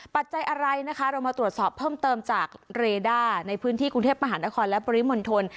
ปัจจัยอะไรนะคะเรามาตรวจสอบเพิ่มเติมจากเรด้าในพื้นที่กรุงเทพมหานครและปริมณฑล